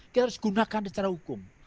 kita harus gunakan secara hukum